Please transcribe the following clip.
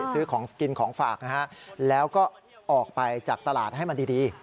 ซื้อของกินของฝากนะฮะแล้วก็ออกไปจากตลาดให้มันดี